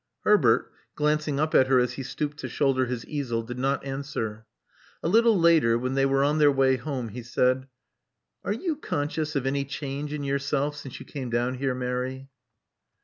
Herbert, glancing up at her as he stooped to shoulder his easel, did not answer. A little later, when they were on their way home, he said, Are you conscious of any change in yourself since you came down here, Mary?"